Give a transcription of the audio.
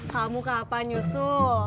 kamu kapan yusul